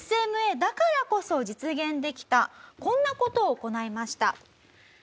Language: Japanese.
ＳＭＡだからこそ実現できたこんな事を行いました。